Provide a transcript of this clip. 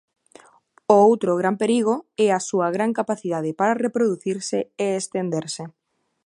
O outro gran perigo é a súa gran capacidade para reproducirse e estenderse.